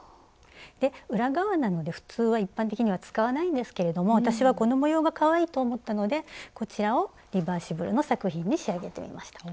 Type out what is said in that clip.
裏側なので普通は一般的には使わないんですけれども私はこの模様がかわいいと思ったのでこちらをリバーシブルの作品に仕上げてみました。